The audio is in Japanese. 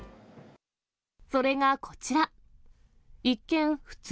それがこちら。